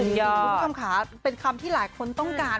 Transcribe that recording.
คุณผู้ชมค่ะเป็นคำที่หลายคนต้องการ